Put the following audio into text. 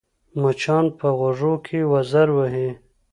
مچان په غوږو کې وزر وهي